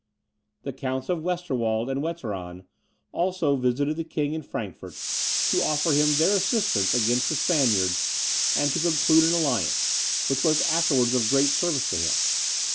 The Counts of Westerwald and Wetteran also visited the King in Frankfort, to offer him their assistance against the Spaniards, and to conclude an alliance, which was afterwards of great service to him.